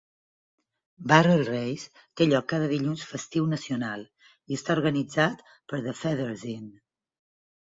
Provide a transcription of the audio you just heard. Barrel Race té lloc cada dilluns festiu nacional i està organitzat per The Feathers Inn.